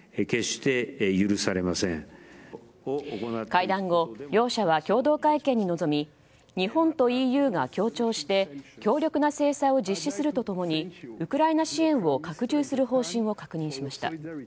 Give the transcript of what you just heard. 会談後、両者は共同会見に臨み日本とＥＵが協調して強力な制裁を実施すると共にウクライナ支援を拡充する方針を確認しました。